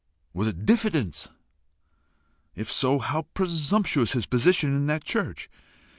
was it diffidence? if so, how presumptuous his position in that church!